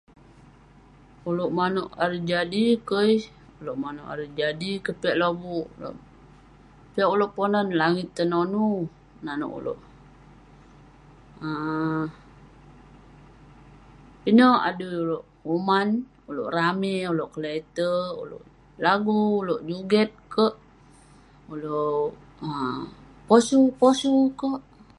Ulouk manouk ari jadi kei..ulouk manouk Hari Jadi keh piak lobuk..piak ulouk ponan neh Langit Tenonu nanouk ulouk um pinek adui ulouk, kuman, ulouk ramey, ulouk kle'terk, ulouk lagu..ulouk joget kerk..ulouk um posu posu kerk..